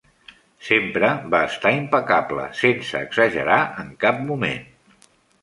Sempre va estar impecable, sense exagerar en cap moment.